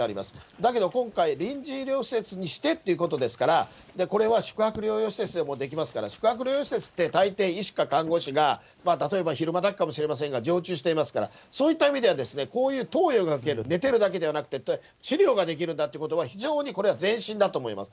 だけど今回、臨時医療施設にしてっていうことですから、これは宿泊療養施設でもできますから、宿泊療養施設って、たいてい、医師か看護師が、例えば昼間だけかもしれませんが常駐していますから、そういった意味では、こういう投与ができる、寝てるだけではなくて、治療ができるんだっていうことは、非常にこれは前進だと思います。